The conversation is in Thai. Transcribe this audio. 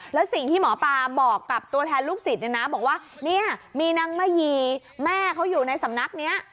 แล้วสิ่งที่หมอปลาบอกกับตัวแทนลูกศิษย์เนี่ยนะบอกว่าเนี่ยมีนางมะยีแม่เขาอยู่ในสำนักนี้